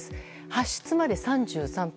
発出まで３３分。